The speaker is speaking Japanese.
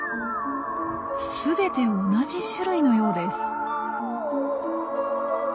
すべて同じ種類のようです。